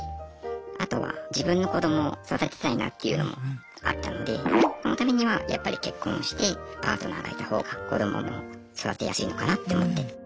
あとは自分の子供を育てたいなっていうのもあったのでそのためにはやっぱり結婚してパートナーがいた方が子どもも育てやすいのかなって思って。